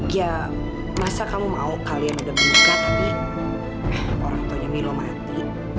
ya masa kamu mau kalian udah menikah tapi orang tuanya minum mati